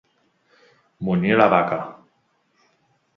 Munyir la vaca.